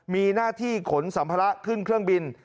มีหน้าที่ขนสัมภาระขึ้นเครื่องบิน